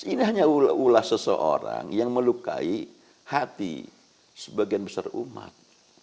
ini hanya ulah seseorang yang melukai hati sebagian besar umat